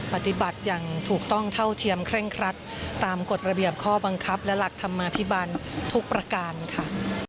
ปฏิบัติอย่างถูกต้องเท่าเทียมเคร่งครัดตามกฎระเบียบข้อบังคับและหลักธรรมาภิบันทุกประการค่ะ